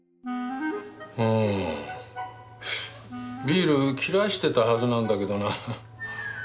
ビール切らしてたはずなんだけどな。